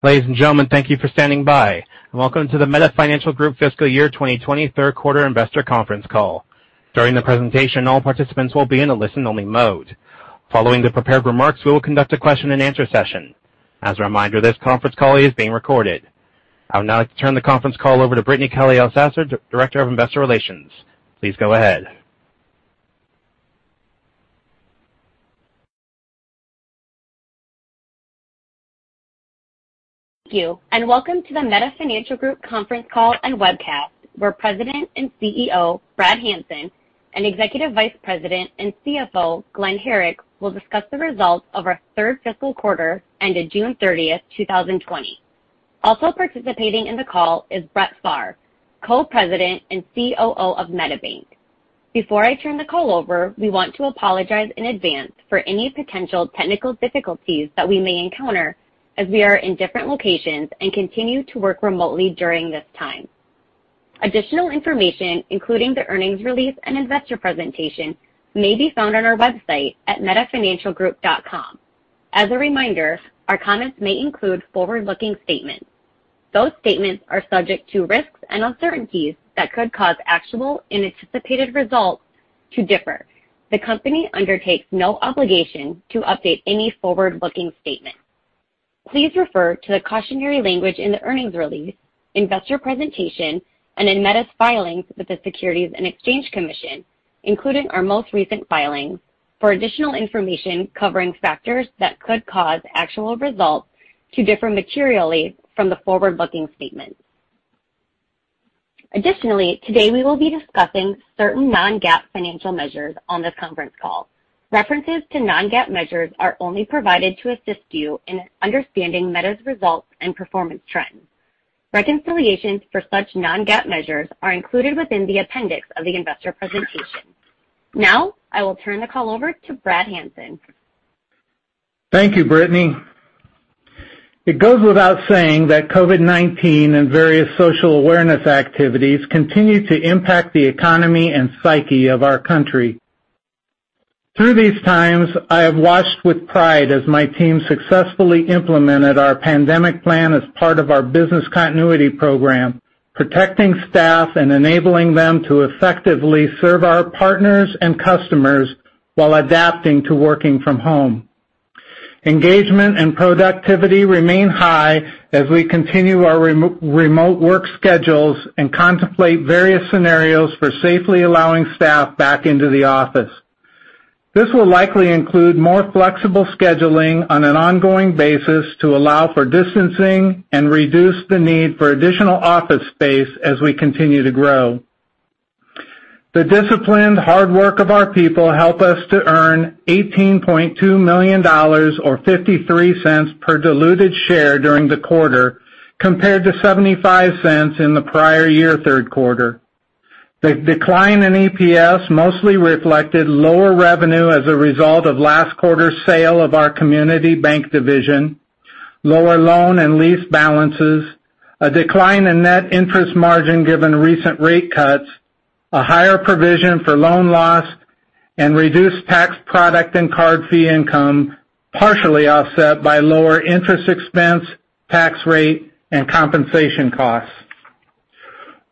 Ladies and gentlemen, thank you for standing by, and welcome to the Meta Financial Group fiscal year 2020 third quarter investor conference call. During the presentation, all participants will be in a listen-only mode. Following the prepared remarks, we will conduct a question and answer session. As a reminder, this conference call is being recorded. I would now like to turn the conference call over to Brittany Kelley Elsasser, Director of Investor Relations. Please go ahead. Thank you, welcome to the Meta Financial Group conference call and webcast, where President and CEO, Brad Hanson, and Executive Vice President and CFO, Glen Herrick, will discuss the results of our third fiscal quarter ended June 30th, 2020. Also participating in the call is Brett Pharr, Co-President and COO of MetaBank. Before I turn the call over, we want to apologize in advance for any potential technical difficulties that we may encounter as we are in different locations and continue to work remotely during this time. Additional information, including the earnings release and investor presentation, may be found on our website at metafinancialgroup.com. As a reminder, our comments may include forward-looking statements. Those statements are subject to risks and uncertainties that could cause actual and anticipated results to differ. The company undertakes no obligation to update any forward-looking statements. Please refer to the cautionary language in the earnings release, investor presentation, and in Meta's filings with the Securities and Exchange Commission, including our most recent filings for additional information covering factors that could cause actual results to differ materially from the forward-looking statements. Today we will be discussing certain non-GAAP financial measures on this conference call. References to non-GAAP measures are only provided to assist you in understanding Meta's results and performance trends. Reconciliations for such non-GAAP measures are included within the appendix of the investor presentation. I will turn the call over to Brad Hanson. Thank you, Brittany. It goes without saying that COVID-19 and various social awareness activities continue to impact the economy and psyche of our country. Through these times, I have watched with pride as my team successfully implemented our pandemic plan as part of our business continuity program, protecting staff and enabling them to effectively serve our partners and customers while adapting to working from home. Engagement and productivity remain high as we continue our remote work schedules and contemplate various scenarios for safely allowing staff back into the office. This will likely include more flexible scheduling on an ongoing basis to allow for distancing and reduce the need for additional office space as we continue to grow. The disciplined hard work of our people helped us to earn $18.2 million, or $0.53 per diluted share during the quarter, compared to $0.75 in the prior year third quarter. The decline in EPS mostly reflected lower revenue as a result of last quarter's sale of our community bank division, lower loan and lease balances, a decline in net interest margin given recent rate cuts, a higher provision for loan loss, and reduced tax product and card fee income, partially offset by lower interest expense, tax rate, and compensation costs.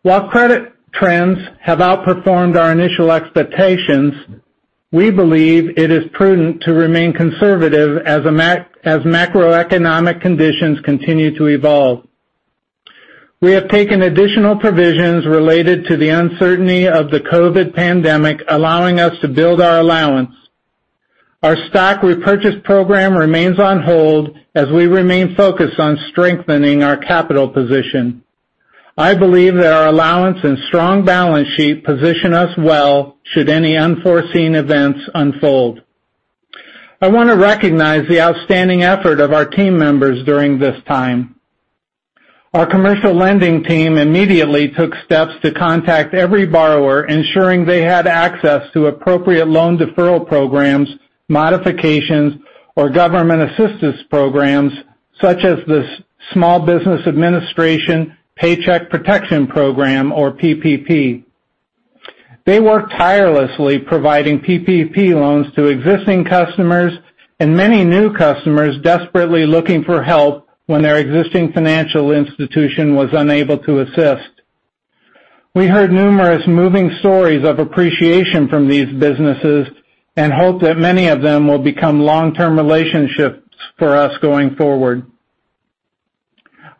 While credit trends have outperformed our initial expectations, we believe it is prudent to remain conservative as macroeconomic conditions continue to evolve. We have taken additional provisions related to the uncertainty of the COVID pandemic, allowing us to build our allowance. Our stock repurchase program remains on hold as we remain focused on strengthening our capital position. I believe that our allowance and strong balance sheet position us well should any unforeseen events unfold. I want to recognize the outstanding effort of our team members during this time. Our commercial lending team immediately took steps to contact every borrower, ensuring they had access to appropriate loan deferral programs, modifications, or government assistance programs such as the Small Business Administration Paycheck Protection Program or PPP. They worked tirelessly providing PPP loans to existing customers and many new customers desperately looking for help when their existing financial institution was unable to assist. We heard numerous moving stories of appreciation from these businesses and hope that many of them will become long-term relationships for us going forward.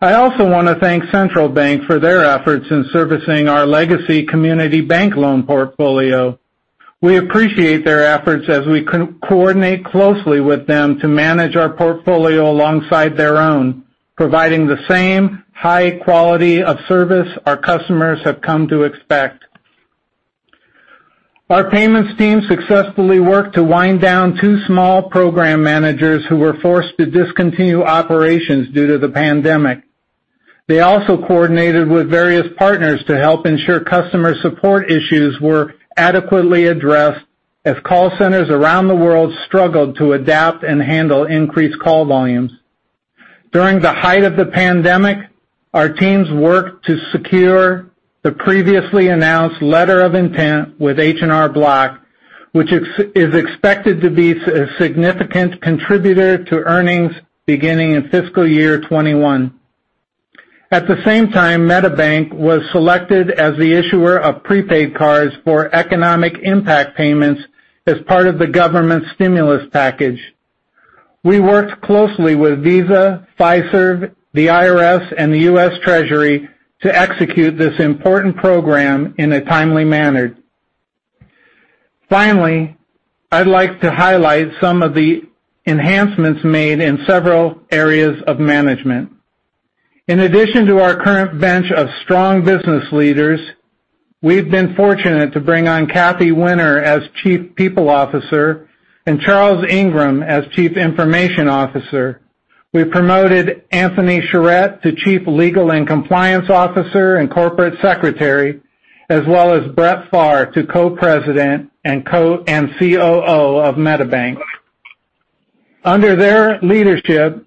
I also want to thank Central Bank for their efforts in servicing our legacy community bank loan portfolio. We appreciate their efforts as we coordinate closely with them to manage our portfolio alongside their own, providing the same high quality of service our customers have come to expect. Our payments team successfully worked to wind down two small program managers who were forced to discontinue operations due to the pandemic. They also coordinated with various partners to help ensure customer support issues were adequately addressed as call centers around the world struggled to adapt and handle increased call volumes. During the height of the pandemic, our teams worked to secure the previously announced letter of intent with H&R Block, which is expected to be a significant contributor to earnings beginning in fiscal year 2021. At the same time, MetaBank was selected as the issuer of prepaid cards for Economic Impact Payments as part of the government stimulus package. We worked closely with Visa, Fiserv, the IRS, and the U.S. Treasury to execute this important program in a timely manner. Finally, I'd like to highlight some of the enhancements made in several areas of management. In addition to our current bench of strong business leaders, we've been fortunate to bring on Kathy Winter as Chief People Officer and Charles Ingram as Chief Information Officer. We promoted Anthony Sharett to Chief Legal and Compliance Officer and Corporate Secretary, as well as Brett Pharr to Co-President and COO of MetaBank. Under their leadership,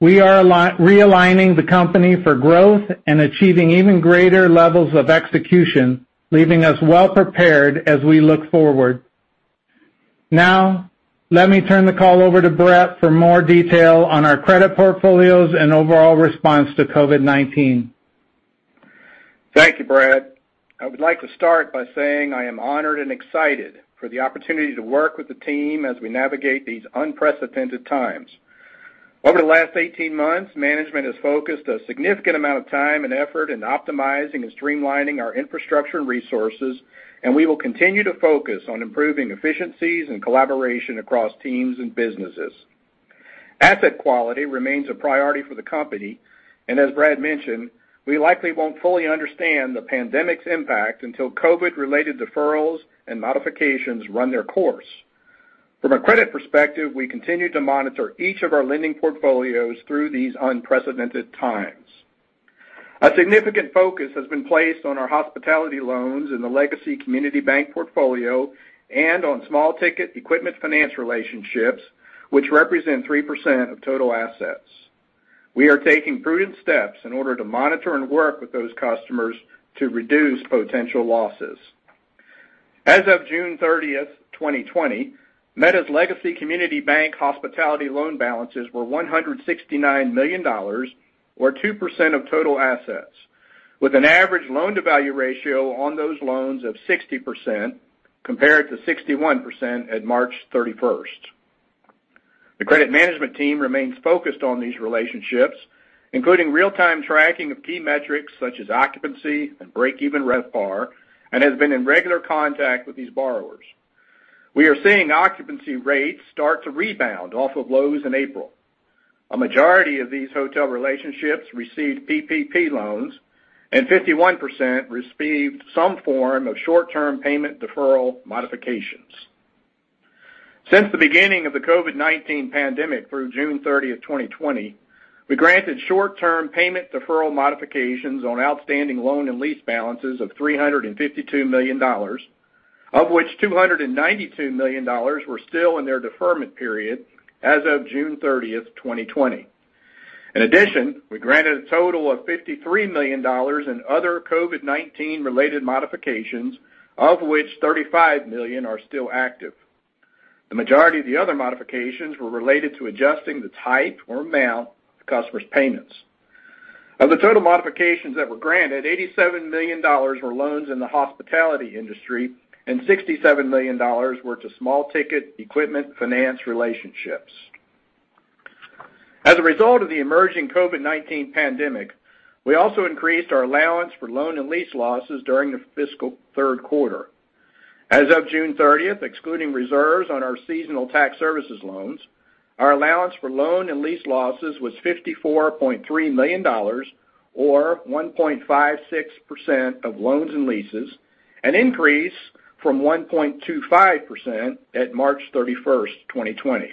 we are realigning the company for growth and achieving even greater levels of execution, leaving us well-prepared as we look forward. Now, let me turn the call over to Brett for more detail on our credit portfolios and overall response to COVID-19. Thank you, Brad. I would like to start by saying I am honored and excited for the opportunity to work with the team as we navigate these unprecedented times. Over the last 18 months, management has focused a significant amount of time and effort in optimizing and streamlining our infrastructure and resources. We will continue to focus on improving efficiencies and collaboration across teams and businesses. Asset quality remains a priority for the company. As Brad mentioned, we likely won't fully understand the pandemic's impact until COVID-related deferrals and modifications run their course. From a credit perspective, we continue to monitor each of our lending portfolios through these unprecedented times. A significant focus has been placed on our hospitality loans in the Legacy Community Bank portfolio and on small-ticket equipment finance relationships, which represent 3% of total assets. We are taking prudent steps in order to monitor and work with those customers to reduce potential losses. As of June 30th, 2020, MetaBank's Legacy Community Bank hospitality loan balances were $169 million, or 2% of total assets, with an average loan-to-value ratio on those loans of 60%, compared to 61% at March 31st. The credit management team remains focused on these relationships, including real-time tracking of key metrics such as occupancy and break-even RevPAR, and has been in regular contact with these borrowers. A majority of these hotel relationships received PPP loans, and 51% received some form of short-term payment deferral modifications. Since the beginning of the COVID-19 pandemic through June 30th, 2020, we granted short-term payment deferral modifications on outstanding loan and lease balances of $352 million, of which $292 million were still in their deferment period as of June 30th, 2020. In addition, we granted a total of $53 million in other COVID-19 related modifications, of which $35 million are still active. The majority of the other modifications were related to adjusting the type or amount of customers' payments. Of the total modifications that were granted, $87 million were loans in the hospitality industry, and $67 million were to small-ticket equipment finance relationships. As a result of the emerging COVID-19 pandemic, we also increased our allowance for loan and lease losses during the fiscal third quarter. As of June 30th, excluding reserves on our seasonal tax services loans, our allowance for loan and lease losses was $54.3 million, or 1.56% of loans and leases, an increase from 1.25% at March 31st, 2020.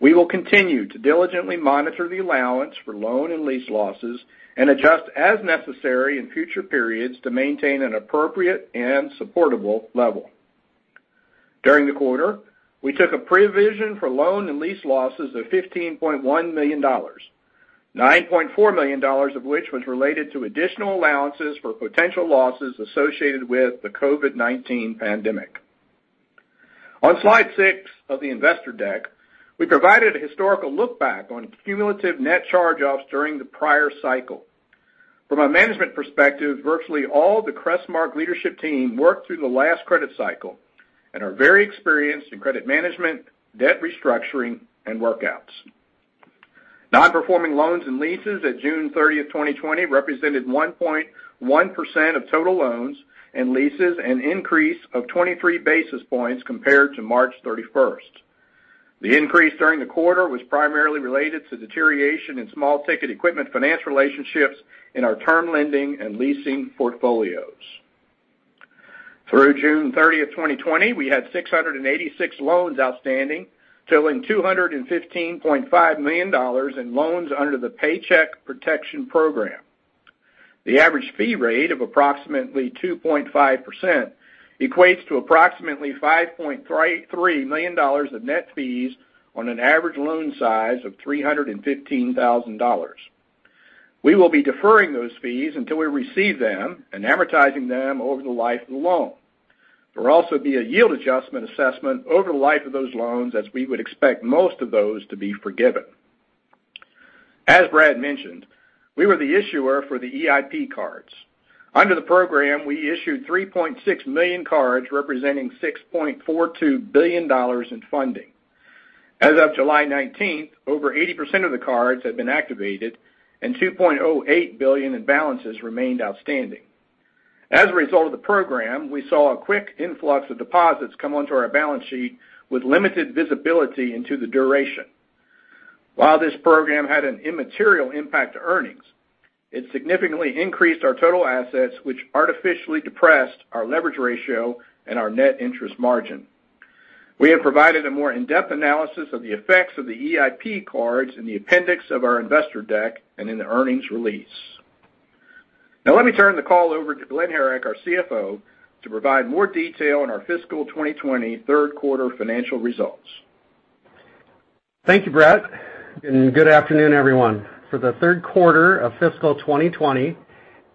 We will continue to diligently monitor the allowance for loan and lease losses and adjust as necessary in future periods to maintain an appropriate and supportable level. During the quarter, we took a provision for loan and lease losses of $15.1 million, $9.4 million of which was related to additional allowances for potential losses associated with the COVID-19 pandemic. On slide six of the investor deck, we provided a historical look back on cumulative net charge-offs during the prior cycle. From a management perspective, virtually all the Crestmark leadership team worked through the last credit cycle and are very experienced in credit management, debt restructuring, and workouts. Non-performing loans and leases at June 30th, 2020, represented 1.1% of total loans and leases, an increase of 23 basis points compared to March 31st. The increase during the quarter was primarily related to deterioration in small-ticket equipment finance relationships in our term lending and leasing portfolios. Through June 30th, 2020, we had 686 loans outstanding, totaling $215.5 million in loans under the Paycheck Protection Program. The average fee rate of approximately 2.5% equates to approximately $5.33 million of net fees on an average loan size of $315,000. We will be deferring those fees until we receive them and amortizing them over the life of the loan. There will also be a yield adjustment assessment over the life of those loans, as we would expect most of those to be forgiven. As Brad mentioned, we were the issuer for the EIP cards. Under the program, we issued 3.6 million cards, representing $6.42 billion in funding. As of July 19th, over 80% of the cards have been activated, and $2.08 billion in balances remained outstanding. As a result of the program, we saw a quick influx of deposits come onto our balance sheet with limited visibility into the duration. While this program had an immaterial impact to earnings, it significantly increased our total assets, which artificially depressed our leverage ratio and our net interest margin. We have provided a more in-depth analysis of the effects of the EIP cards in the appendix of our investor deck and in the earnings release. Let me turn the call over to Glen Herrick, our CFO, to provide more detail on our fiscal 2020 third quarter financial results. Thank you, Brett. Good afternoon, everyone. For the third quarter of fiscal 2020,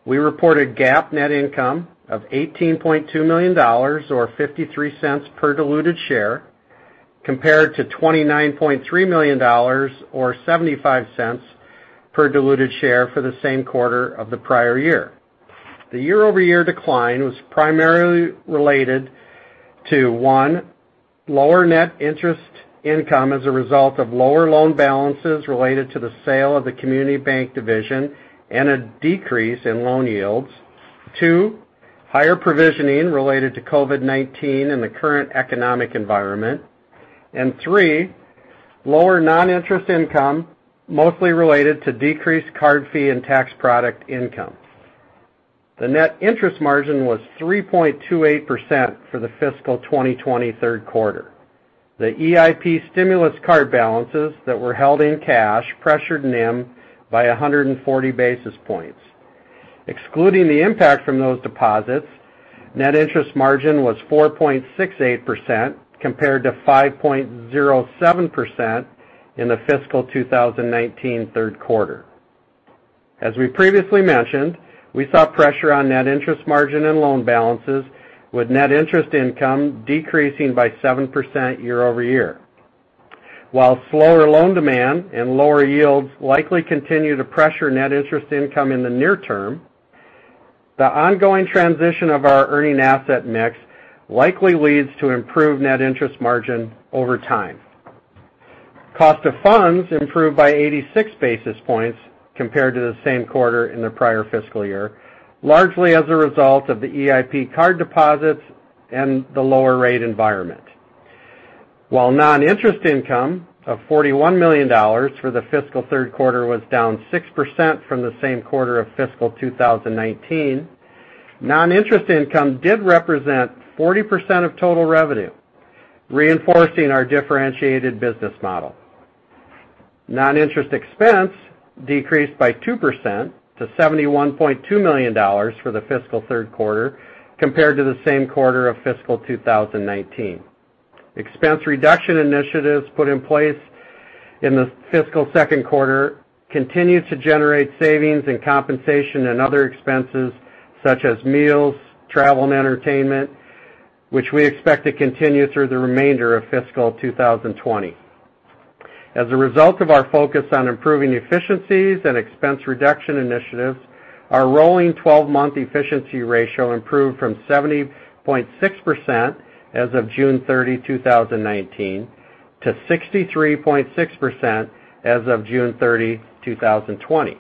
we reported GAAP net income of $18.2 million, or $0.53 per diluted share, compared to $29.3 million, or $0.75 per diluted share for the same quarter of the prior year. The year-over-year decline was primarily related to, one, lower net interest income as a result of lower loan balances related to the sale of the community bank division and a decrease in loan yields. Two, higher provisioning related to COVID-19 and the current economic environment. Three, lower non-interest income, mostly related to decreased card fee and tax product income. The net interest margin was 3.28% for the fiscal 2020 third quarter. The EIP stimulus card balances that were held in cash pressured NIM by 140 basis points. Excluding the impact from those deposits, net interest margin was 4.68%, compared to 5.07% in the fiscal 2019 third quarter. As we previously mentioned, we saw pressure on net interest margin and loan balances, with net interest income decreasing by 7% year-over-year. While slower loan demand and lower yields likely continue to pressure net interest income in the near term, the ongoing transition of our earning asset mix likely leads to improved net interest margin over time. Cost of funds improved by 86 basis points compared to the same quarter in the prior fiscal year, largely as a result of the EIP card deposits and the lower rate environment. While non-interest income of $41 million for the fiscal third quarter was down 6% from the same quarter of fiscal 2019, non-interest income did represent 40% of total revenue, reinforcing our differentiated business model. Non-interest expense decreased by 2% to $71.2 million for the fiscal third quarter, compared to the same quarter of fiscal 2019. Expense reduction initiatives put in place in the fiscal second quarter continued to generate savings in compensation and other expenses such as meals, travel, and entertainment, which we expect to continue through the remainder of fiscal 2020. As a result of our focus on improving efficiencies and expense reduction initiatives, our rolling 12-month efficiency ratio improved from 70.6% as of June 30, 2019, to 63.6% as of June 30, 2020.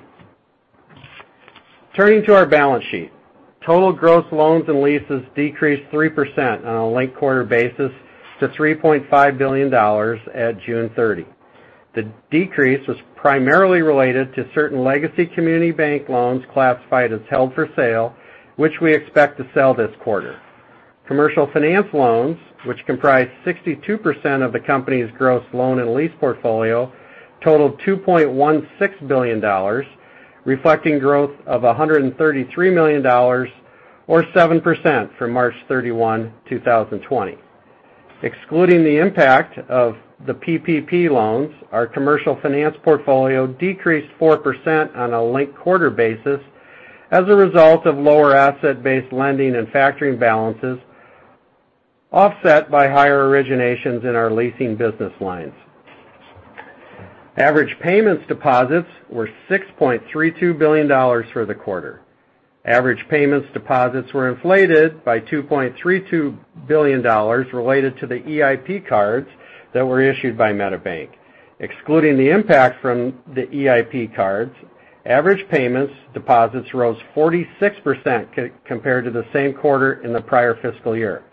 Turning to our balance sheet. Total gross loans and leases decreased 3% on a linked-quarter basis to $3.5 billion at June 30. The decrease was primarily related to certain legacy community bank loans classified as held for sale, which we expect to sell this quarter. Commercial finance loans, which comprise 62% of the company's gross loan and lease portfolio, totaled $2.16 billion, reflecting growth of $133 million, or 7%, from March 31, 2020. Excluding the impact of the PPP loans, our commercial finance portfolio decreased 4% on a linked-quarter basis as a result of lower asset-based lending and factoring balances, offset by higher originations in our leasing business lines. Average payments deposits were $6.32 billion for the quarter. Average payments deposits were inflated by $2.32 billion related to the EIP cards that were issued by MetaBank. Excluding the impact from the EIP cards, average payments deposits rose 46% compared to the same quarter in the prior fiscal year.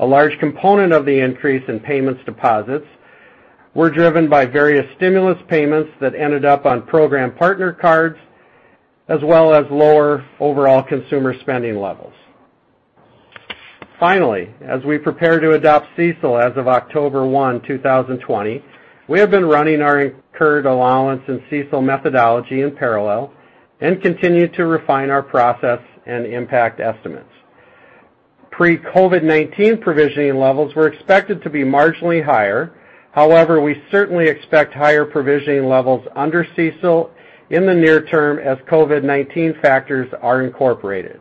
A large component of the increase in payments deposits were driven by various stimulus payments that ended up on program partner cards, as well as lower overall consumer spending levels. Finally, as we prepare to adopt CECL as of October 1, 2020, we have been running our incurred allowance and CECL methodology in parallel and continue to refine our process and impact estimates. Pre-COVID-19 provisioning levels were expected to be marginally higher. However, we certainly expect higher provisioning levels under CECL in the near term as COVID-19 factors are incorporated.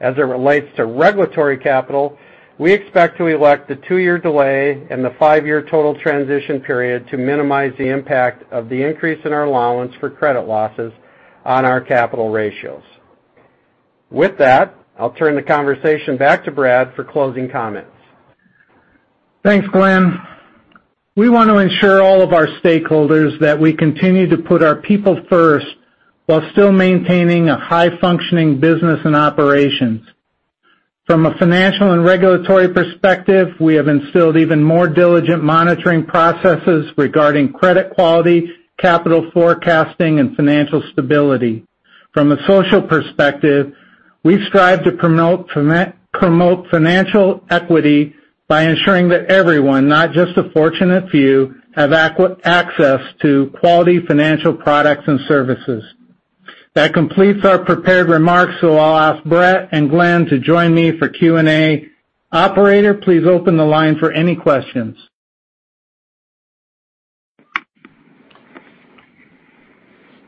As it relates to regulatory capital, we expect to elect the two-year delay and the five-year total transition period to minimize the impact of the increase in our allowance for credit losses on our capital ratios. With that, I'll turn the conversation back to Brad for closing comments. Thanks, Glen. We want to ensure all of our stakeholders that we continue to put our people first while still maintaining a high-functioning business and operations. From a financial and regulatory perspective, we have instilled even more diligent monitoring processes regarding credit quality, capital forecasting, and financial stability. From a social perspective, we strive to promote financial equity by ensuring that everyone, not just a fortunate few, have access to quality financial products and services. That completes our prepared remarks. I'll ask Brett and Glen to join me for Q&A. Operator, please open the line for any questions.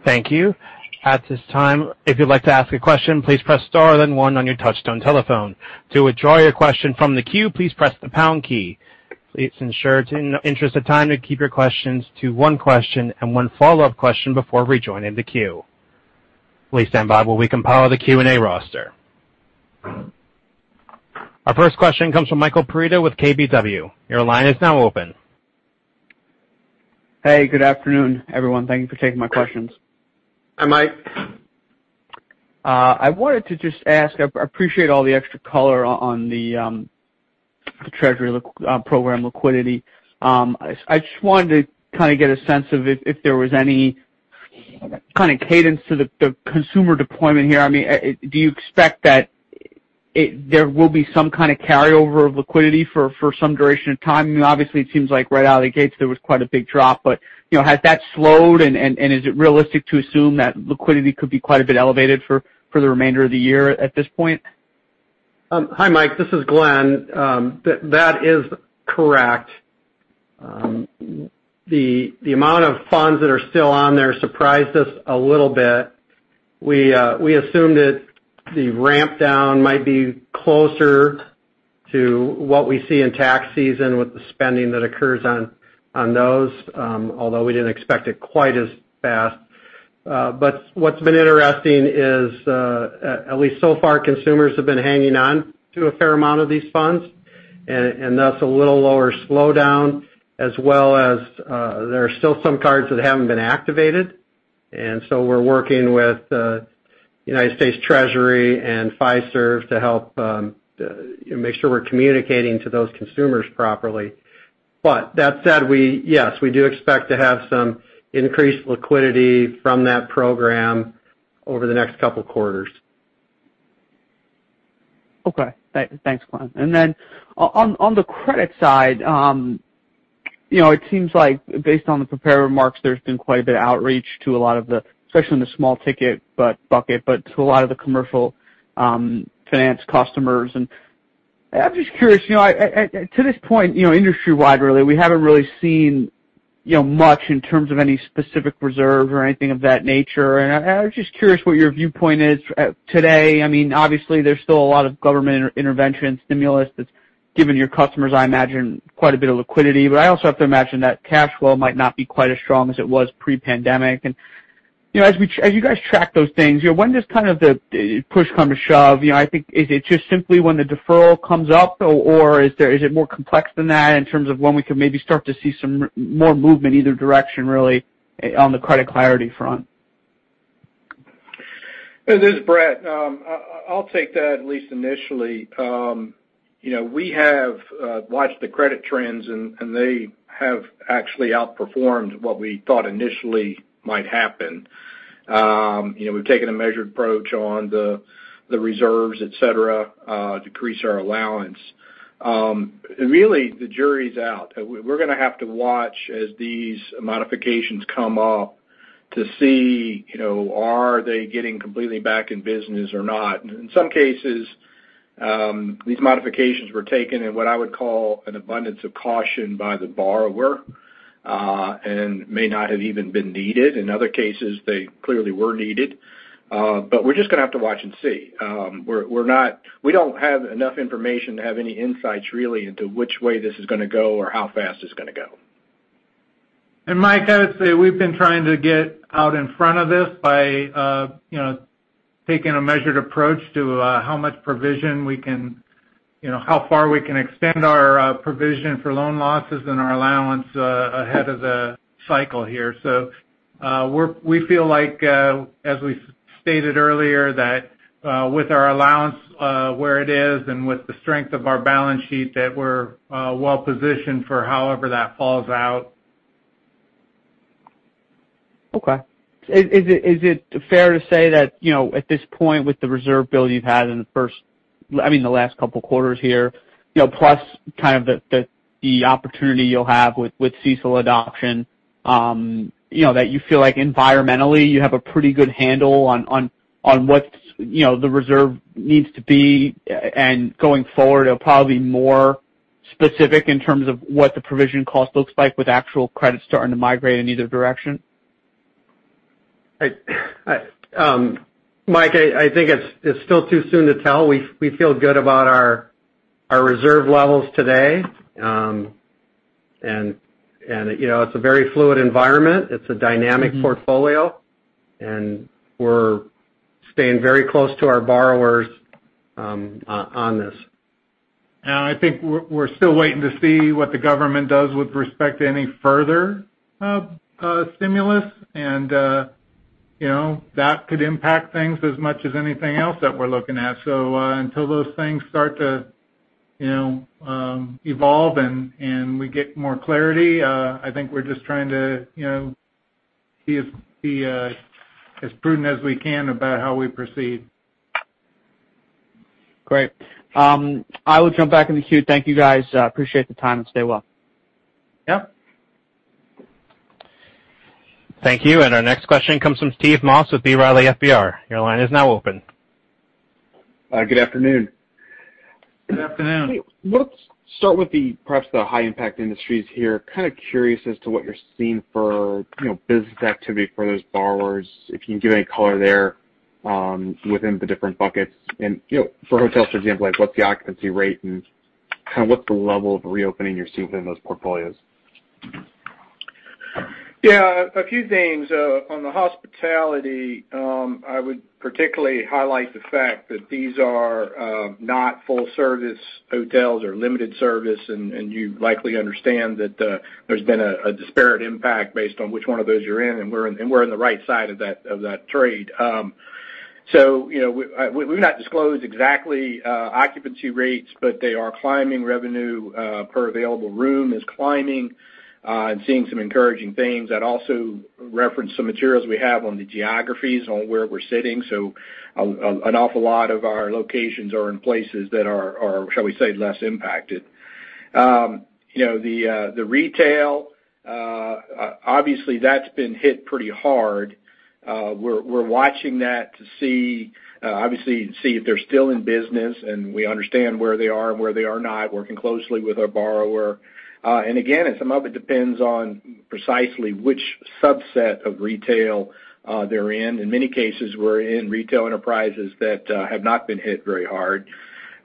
Thank you. At this time, if you'd like to ask a question, please press star, then one on your touchtone telephone. To withdraw your question from the queue, please press the pound key. Please ensure, in the interest of time, to keep your questions to one question and one follow-up question before rejoining the queue. Please stand by while we compile the Q&A roster. Our first question comes from Michael Perito with KBW. Your line is now open. Hey, good afternoon, everyone. Thank you for taking my questions. Hi, Mike. I wanted to just ask, I appreciate all the extra color on the treasury program liquidity. I just wanted to kind of get a sense of if there was any kind of cadence to the consumer deployment here. Do you expect that there will be some kind of carryover of liquidity for some duration of time? Obviously, it seems like right out of the gates, there was quite a big drop. Has that slowed? Is it realistic to assume that liquidity could be quite a bit elevated for the remainder of the year at this point? Hi, Mike. This is Glen. That is correct. The amount of funds that are still on there surprised us a little bit. We assumed that the ramp down might be closer to what we see in tax season with the spending that occurs on those, although we didn't expect it quite as fast. What's been interesting is, at least so far, consumers have been hanging on to a fair amount of these funds, and thus a little lower slowdown, as well as there are still some cards that haven't been activated. So we're working with the United States Treasury and Fiserv to help make sure we're communicating to those consumers properly. That said, yes, we do expect to have some increased liquidity from that program over the next couple of quarters. Okay. Thanks, Glen. On the credit side, it seems like based on the prepared remarks, there's been quite a bit of outreach to a lot of the, especially in the small ticket bucket, but to a lot of the commercial finance customers. I'm just curious, to this point, industry-wide really, we haven't really seen much in terms of any specific reserve or anything of that nature. I was just curious what your viewpoint is today. Obviously, there's still a lot of government intervention stimulus that's given your customers, I imagine, quite a bit of liquidity. I also have to imagine that cash flow might not be quite as strong as it was pre-pandemic. As you guys track those things, when does kind of the push come to shove? I think, is it just simply when the deferral comes up? Is it more complex than that in terms of when we can maybe start to see some more movement, either direction really, on the credit clarity front? This is Brett. I'll take that, at least initially. We have watched the credit trends, and they have actually outperformed what we thought initially might happen. We've taken a measured approach on the reserves, et cetera, decrease our allowance. Really, the jury's out. We're going to have to watch as these modifications come up to see, are they getting completely back in business or not? In some cases, these modifications were taken in what I would call an abundance of caution by the borrower, and may not have even been needed. In other cases, they clearly were needed. We're just going to have to watch and see. We don't have enough information to have any insights, really, into which way this is going to go or how fast it's going to go. Mike, I'd say we've been trying to get out in front of this by taking a measured approach to how much provision how far we can extend our provision for loan losses and our allowance ahead of the cycle here. We feel like, as we stated earlier, that with our allowance where it is and with the strength of our balance sheet, that we're well-positioned for however that falls out. Okay. Is it fair to say that, at this point with the reserve build you've had in the last couple of quarters here, plus the opportunity you'll have with CECL adoption, that you feel like environmentally you have a pretty good handle on what the reserve needs to be and going forward, it'll probably be more specific in terms of what the provision cost looks like with actual credits starting to migrate in either direction? Mike, I think it's still too soon to tell. We feel good about our reserve levels today. It's a very fluid environment. It's a dynamic portfolio, and we're staying very close to our borrowers on this. I think we're still waiting to see what the government does with respect to any further stimulus, and that could impact things as much as anything else that we're looking at. Until those things start to evolve and we get more clarity, I think we're just trying to be as prudent as we can about how we proceed. Great. I will jump back in the queue. Thank you, guys. Appreciate the time, and stay well. Yeah. Thank you. Our next question comes from Steve Moss with B. Riley FBR. Your line is now open. Good afternoon. Good afternoon. Let's start with perhaps the high impact industries here. Curious as to what you're seeing for business activity for those borrowers. If you can give any color there within the different buckets. For hotels, for example, what's the occupancy rate, and what's the level of reopening you're seeing within those portfolios? Yeah. A few things. On the hospitality, I would particularly highlight the fact that these are not full-service hotels or limited service, and you likely understand that there's been a disparate impact based on which one of those you're in, and we're in the right side of that trade. We've not disclosed exactly occupancy rates, but they are climbing. Revenue per available room is climbing and seeing some encouraging things. I'd also reference some materials we have on the geographies on where we're sitting. An awful lot of our locations are in places that are, shall we say, less impacted. The retail, obviously that's been hit pretty hard. We're watching that to obviously see if they're still in business, and we understand where they are and where they are not, working closely with our borrower. Again, some of it depends on precisely which subset of retail they're in. In many cases, we're in retail enterprises that have not been hit very hard.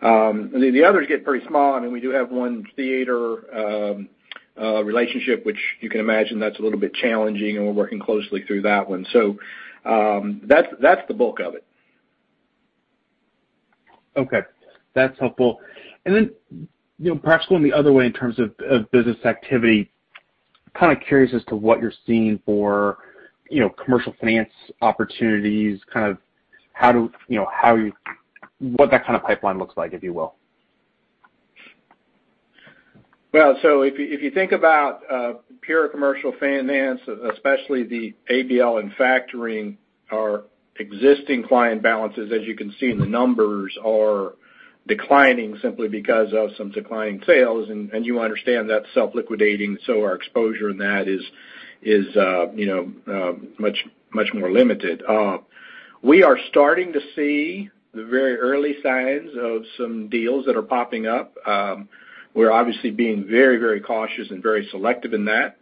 The others get pretty small. We do have one theater relationship, which you can imagine that's a little bit challenging, and we're working closely through that one. That's the bulk of it. Okay. That's helpful. Perhaps going the other way in terms of business activity, kind of curious as to what you're seeing for commercial finance opportunities. What that kind of pipeline looks like, if you will? Well, if you think about pure commercial finance, especially the ABL and factoring our existing client balances, as you can see in the numbers, are declining simply because of some declining sales. You understand that's self-liquidating, so our exposure in that is much more limited. We are starting to see the very early signs of some deals that are popping up. We're obviously being very cautious and very selective in that.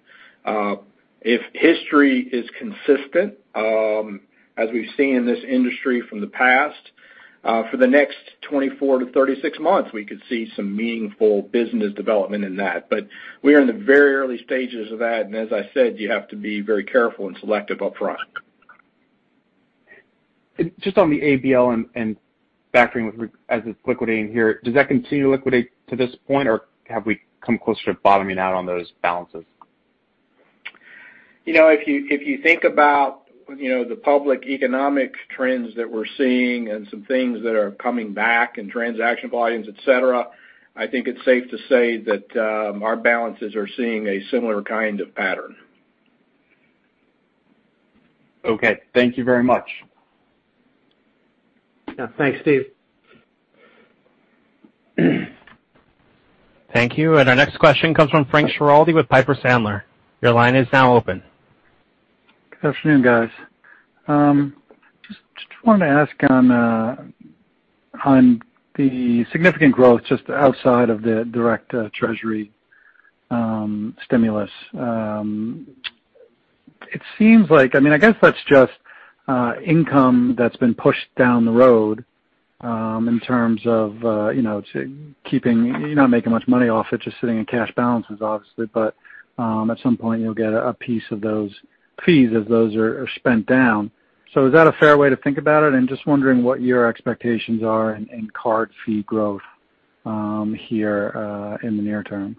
If history is consistent, as we've seen in this industry from the past, for the next 24-36 months, we could see some meaningful business development in that. We are in the very early stages of that, and as I said, you have to be very careful and selective upfront. Just on the ABL and factoring as it's liquidating here, does that continue to liquidate to this point, or have we come closer to bottoming out on those balances? If you think about the public economic trends that we're seeing and some things that are coming back and transaction volumes, et cetera, I think it's safe to say that our balances are seeing a similar kind of pattern. Okay. Thank you very much. Yeah. Thanks, Steve. Thank you. Our next question comes from Frank Schiraldi with Piper Sandler. Your line is now open. Good afternoon, guys. Just wanted to ask on the significant growth just outside of the direct Treasury stimulus. I guess that's just income that's been pushed down the road in terms of you're not making much money off it, just sitting in cash balances, obviously. At some point, you'll get a piece of those fees as those are spent down. Is that a fair way to think about it? Just wondering what your expectations are in card fee growth here in the near term.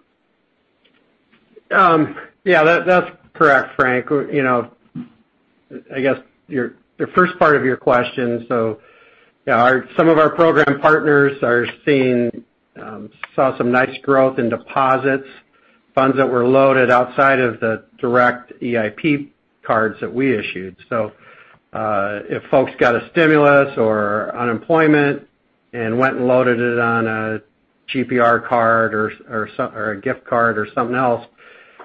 Yeah, that's correct, Frank. I guess the first part of your question. Some of our program partners saw some nice growth in deposits, funds that were loaded outside of the direct EIP cards that we issued. If folks got a stimulus or unemployment and went and loaded it on a GPR card or a gift card or something else,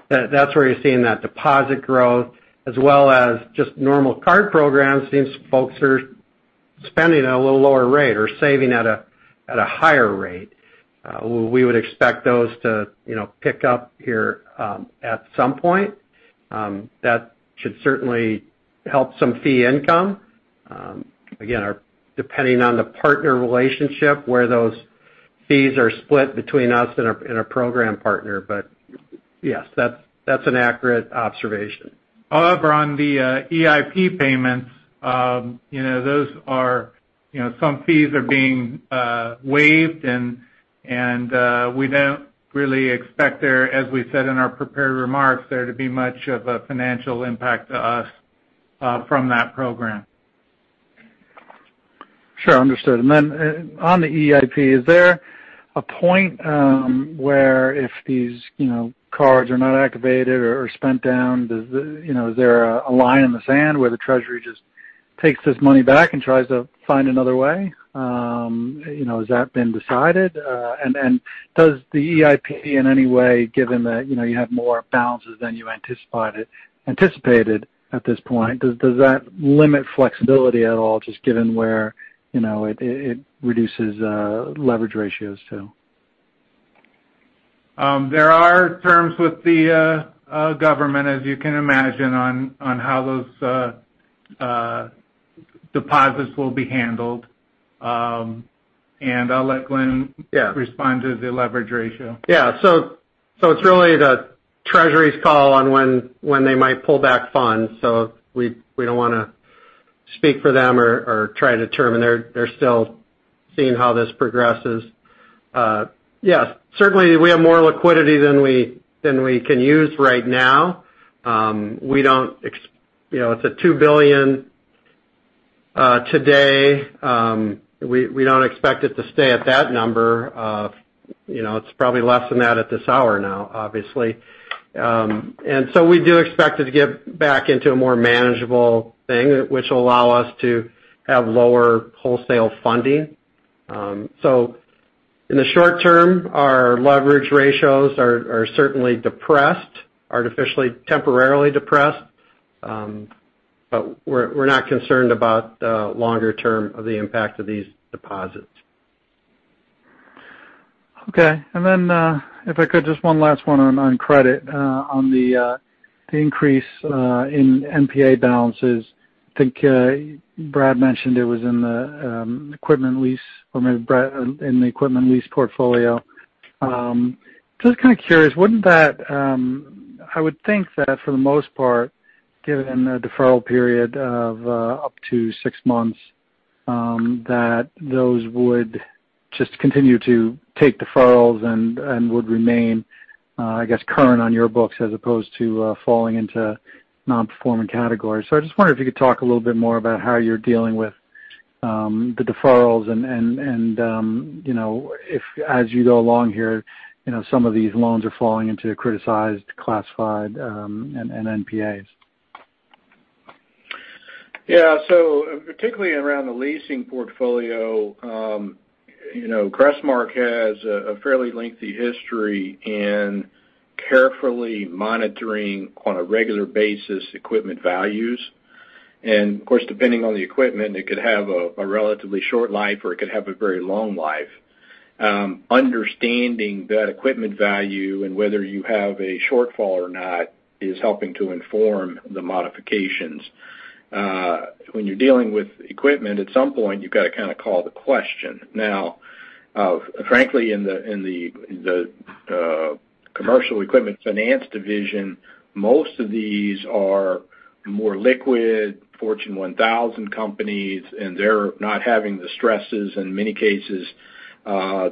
that's where you're seeing that deposit growth, as well as just normal card programs. Seems folks are spending at a little lower rate or saving at a higher rate. We would expect those to pick up here at some point. That should certainly help some fee income. Again, depending on the partner relationship, where those fees are split between us and our program partner. Yes, that's an accurate observation. However, on the EIP payments, some fees are being waived, and we don't really expect there, as we said in our prepared remarks, there to be much of a financial impact to us from that program. Sure. Understood. On the EIP, is there a point where if these cards are not activated or spent down, is there a line in the sand where the Treasury just takes this money back and tries to find another way? Has that been decided? Does the EIP in any way, given that you have more balances than you anticipated at this point, does that limit flexibility at all, just given where it reduces leverage ratios too? There are terms with the government, as you can imagine, on how those deposits will be handled. I'll let Glen. Yeah respond to the leverage ratio. It's really the Treasury's call on when they might pull back funds. We don't want to speak for them or try to determine. They're still seeing how this progresses. Certainly we have more liquidity than we can use right now. It's at $2 billion today. We don't expect it to stay at that number. It's probably less than that at this hour now, obviously. We do expect it to get back into a more manageable thing, which will allow us to have lower wholesale funding. In the short term, our leverage ratios are certainly depressed, artificially, temporarily depressed. We're not concerned about the longer term of the impact of these deposits. Okay. If I could, just one last one on credit, on the increase in NPA balances. I think Brad mentioned it was in the equipment lease portfolio. Just kind of curious, I would think that for the most part, given a deferral period of up to six months, that those would just continue to take deferrals and would remain current on your books as opposed to falling into non-performing categories. I just wondered if you could talk a little bit more about how you're dealing with the deferrals and if, as you go along here, some of these loans are falling into criticized, classified, and NPAs. Yeah. Particularly around the leasing portfolio, Crestmark has a fairly lengthy history in carefully monitoring, on a regular basis, equipment values. Of course, depending on the equipment, it could have a relatively short life, or it could have a very long life. Understanding that equipment value and whether you have a shortfall or not is helping to inform the modifications. When you're dealing with equipment, at some point, you've got to kind of call the question. Frankly, in the Commercial Equipment Finance division, most of these are more liquid Fortune 1000 companies, and they're not having the stresses. In many cases,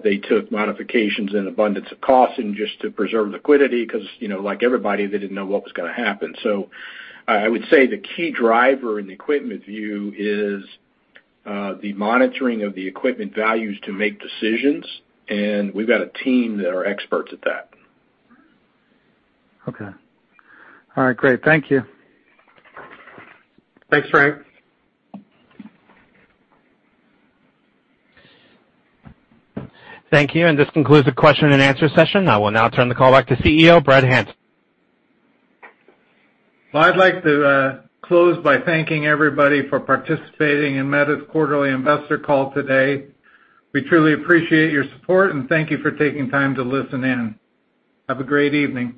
they took modifications in abundance of caution just to preserve liquidity because, like everybody, they didn't know what was going to happen. I would say the key driver in the equipment view is the monitoring of the equipment values to make decisions, and we've got a team that are experts at that. Okay. All right. Great. Thank you. Thanks, Frank. Thank you, and this concludes the question and answer session. I will now turn the call back to CEO, Brad Hanson. Well, I'd like to close by thanking everybody for participating in Meta's quarterly investor call today. We truly appreciate your support, and thank you for taking time to listen in. Have a great evening.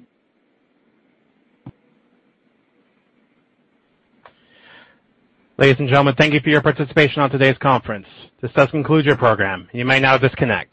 Ladies and gentlemen, thank you for your participation on today's conference. This does conclude your program. You may now disconnect.